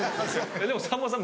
でもさんまさん